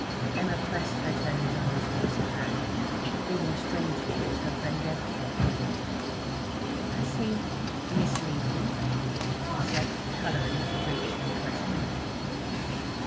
Emma pressed her Tony's unresponsive hand, feeling strangely that her friend ebbed from her. 'Has he... to mislead him?' she said, colouring at the breach in the question.